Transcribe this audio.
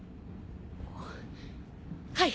はい！